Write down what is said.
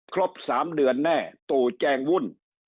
ครบ๓เดือนแน่ตู่แจงวุ่น